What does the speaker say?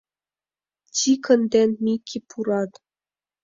Тикын ден Мики пурат.